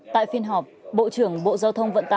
tại phiên họp bộ trưởng bộ giao thông